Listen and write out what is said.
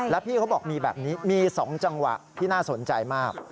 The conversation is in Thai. แล้วพี่เขาบอกมีแบบนี้มี๒จังหวะที่น่าสนใจมาก